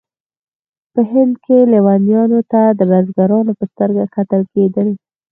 په هند کې لیونیانو ته د بزرګانو په سترګه کتل کېدل.